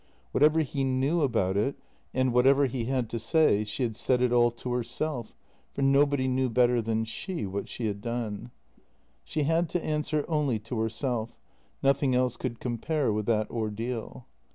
Whatever he knew about it, and whatever he had to say, she had said it all to herself, for nobody knew better than she what she had done. She had to answer only to herself; nothing else could compare with that ordeal.